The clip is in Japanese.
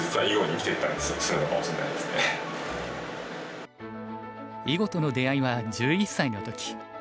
囲碁との出会いは１１歳の時。